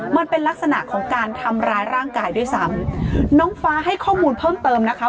มันเป็นลักษณะของการทำร้ายร่างกายด้วยซ้ำน้องฟ้าให้ข้อมูลเพิ่มเติมนะคะ